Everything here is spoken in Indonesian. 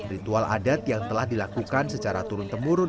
ritual adat yang telah dilakukan secara turun temurun